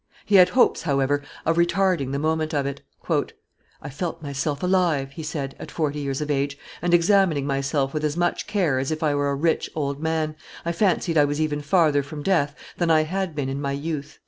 He had hopes, however, of retarding the moment of it. "I felt myself alive," he said, at forty years of age, "and, examining myself with as much care as if I were a rich old man, I fancied I was even farther from death than I had been in my youth."